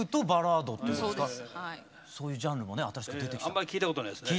あんまり聞いたことないですね。